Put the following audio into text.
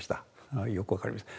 ああよく分かりました。